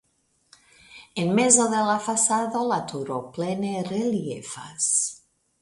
En mezo de la fasado la turo plene reliefas.